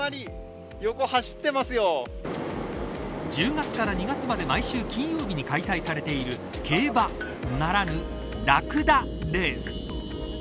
１０月から２月まで毎週金曜日に開催されている競馬ならぬ、ラクダレース。